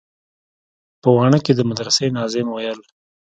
په واڼه کښې د مدرسې ناظم ويل.